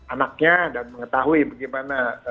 anaknya dan mengetahui bagaimana